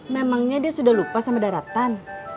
memangnya dia sudah lupa sama daratan